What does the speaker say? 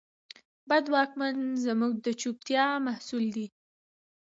بد واکمن زموږ د چوپتیا محصول دی.